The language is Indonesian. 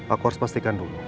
aku harus pastikan dulu